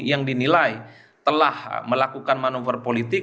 yang dinilai telah melakukan manuver politik